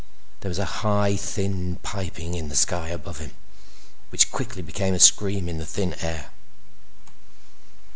There was a high, thin piping in the sky above him which quickly became a scream in the thin air.